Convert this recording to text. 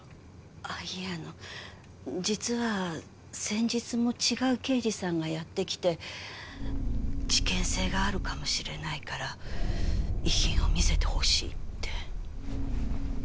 あっいえあの実は先日も違う刑事さんがやって来て事件性があるかもしれないから遺品を見せてほしいって。